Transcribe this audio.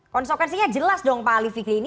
konsekuensinya jelas dong pak ali fikri ini